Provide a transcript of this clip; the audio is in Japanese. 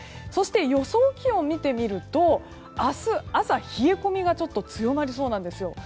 そして予想気温を見てみると明日朝、冷え込みが強まりそうなんです。